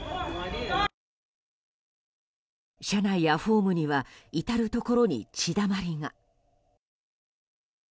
車内やホームには至るところに血だまりが。